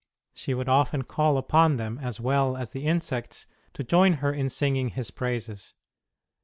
She would often call upon them, as well as the insects, to join her in singing His praises.